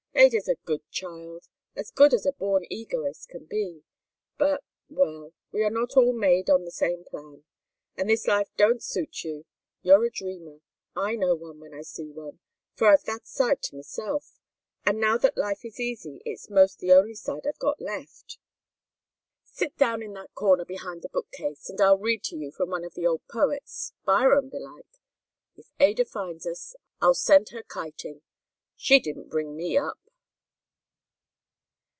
Ada's a good child, as good as a born egoist can be, but well we are not all made on the same plan. And this life don't suit you. You're a dreamer. I know one when I see one, for I've that side to meself, and now that life is easy it's most the only side I've got left. Sit down in that corner behind the bookcase and I'll read to you from one of the old poets, Byron, belike. If Ada finds us, I'll send her kiting. She didn't bring me up."